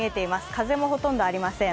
風もほとんどありません。